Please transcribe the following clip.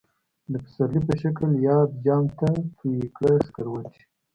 د پسرلی په شکلی یاد، جام ته تویی کړه سکروټی